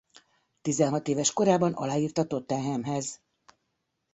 Tizenhat éves korában aláírt a Tottenhamhez.